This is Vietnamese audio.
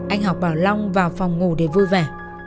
anh học bảo long vào phòng ngủ để vui vẻ